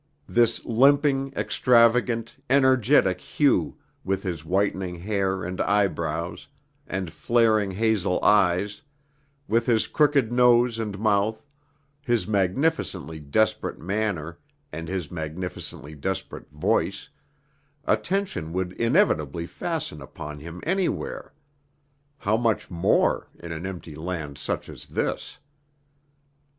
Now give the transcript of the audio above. This limping, extravagant, energetic Hugh with his whitening hair and eyebrows and flaring hazel eyes with his crooked nose and mouth, his magnificently desperate manner and his magnificently desperate voice attention would inevitably fasten upon him anywhere; how much more in an empty land such as this!